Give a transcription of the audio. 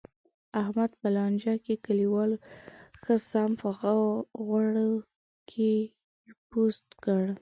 احمد په لانجه کې، کلیوالو ښه سم په غوړو کې پوست کړ.